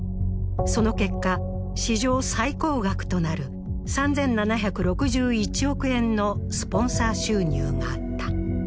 その結果、史上最高額となる３７６１億円のスポンサー収入があった。